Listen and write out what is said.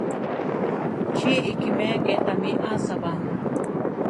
¡Chí ikiméa ké támi asába!